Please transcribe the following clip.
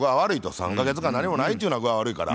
３か月間何もないっちゅうのは具合悪いから。